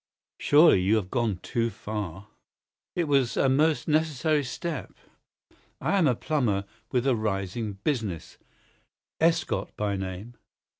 "Surely you have gone too far?" "It was a most necessary step. I am a plumber with a rising business, Escott by name.